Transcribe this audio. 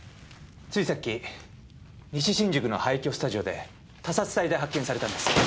ついさっき西新宿の廃墟スタジオで他殺体で発見されたんです。